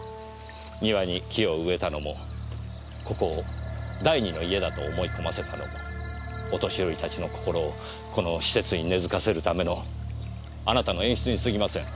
庭に木を植えたのもここを第二の家だと思い込ませたのもお年寄り達の心をこの施設に根付かせるためのあなたの演出に過ぎません。